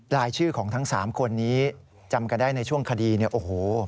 รายชื่อของทั้ง๓คนนี้จำกันได้ในช่วงคดีเนี่ยโอ้โห